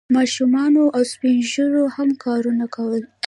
ماشومانو او سپین ږیرو هم کارونه کول.